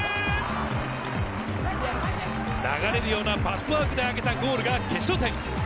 流れるようなパスワークであげたゴールが決勝点。